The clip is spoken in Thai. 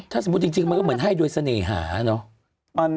ถ้าสมมุติจริงมันก็เหมือนให้โดยเสน่หาเนอะ